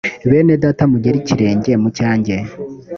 bene data mugere ikirenge mu cyanjye